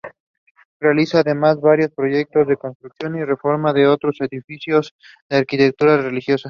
Realiza además varios proyectos de construcción y reforma de otros edificios de arquitectura religiosa.